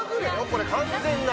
これ完全な。